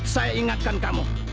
saya ingatkan kamu